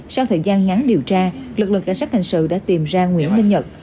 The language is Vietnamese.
sau thời gian ngắn điều tra lực lượng cảnh sát hình sự đã tìm ra nguyễn minh nhật